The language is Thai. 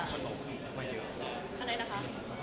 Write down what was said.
อะไรนะคะ